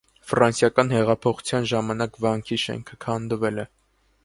Ֆրանսիական հեղափոխության ժամանակ վանքի շենքը քանդվել է։